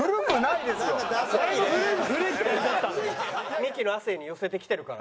ミキの亜生に寄せてきてるから。